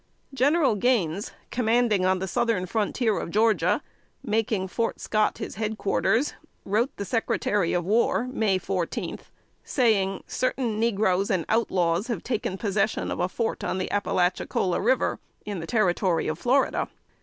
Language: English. General Gaines, commanding on the Southern frontier of Georgia, making Fort Scott his head quarters, wrote the Secretary of War (May 14), saying, "certain negroes and outlaws have taken possession of a fort on the Appalachicola River, in the Territory of Florida."